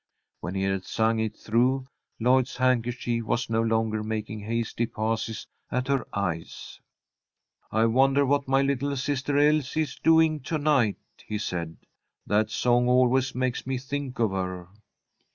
When he had sung it through, Lloyd's handkerchief was no longer making hasty passes at her eyes. "I wonder what my little sister Elsie is doing to night," he said. "That song always makes me think of her."